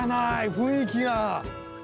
雰囲気が。